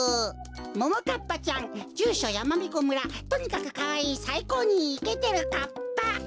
ももかっぱちゃんじゅうしょやまびこ村とにかくかわいいさいこうにイケてるかっぱ。